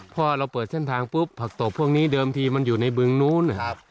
พอเราเปิดเส้นทางปุ๊บผักตบพวกนี้เดิมทีมันอยู่ในบึงนู้น